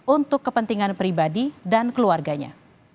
untuk kepentingan pribadi dan keluarganya